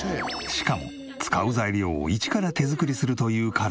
しかも使う材料を一から手作りするというから驚き。